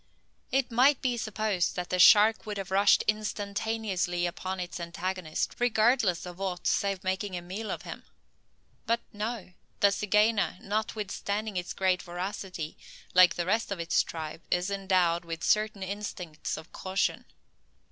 It might be supposed that the shark would have rushed instantaneously upon its antagonist, regardless of aught save making a meal of him. But no, the zygaena, notwithstanding its great voracity, like the rest of its tribe, is endowed with certain instincts of caution.